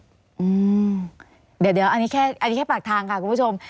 เดี๋ยวอันนี้แค่อันนี้แค่ปากทางค่ะคุณผู้ชม